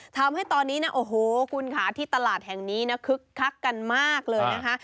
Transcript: ทำให้ตอนนี้นะโอ้โหคุณค่ะที่ตลาดแห่งนี้นะคึกคักกันมากเลยนะคะ